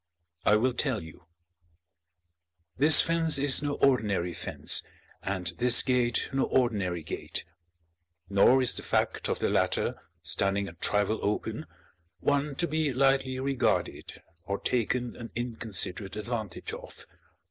I will tell you. This fence is no ordinary fence, and this gate no ordinary gate; nor is the fact of the latter standing a trifle open, one to be lightly regarded or taken an inconsiderate advantage of.